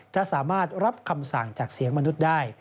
จะสามารถรับคำสั่งจากเสียงมนุษย์ได้